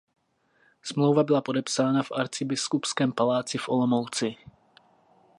Smlouva byla podepsána v Arcibiskupském paláci v Olomouci.